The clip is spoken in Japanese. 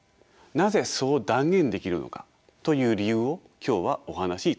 なぜそう断言できるのかという理由を今日はお話しいたします。